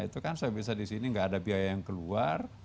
itu kan saya bisa disini gak ada biaya yang keluar